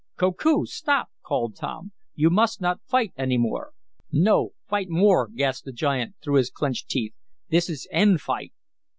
"Koku, stop!" called Tom. "You must not fight any more!" "No fight more!" gasped the giant, through his clenched teeth. "This end fight!"